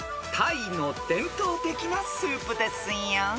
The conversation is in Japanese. ［タイの伝統的なスープですよ］